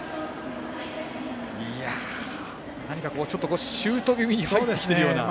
何かシュート気味に入ってきているような。